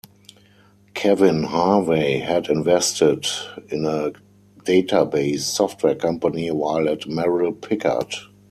Kevin Harvey had invested in a database software company while at Merrill Pickard.